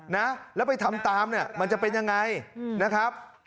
นะแล้วไปทำตามเนี่ยมันจะเป็นยังไงนะครับ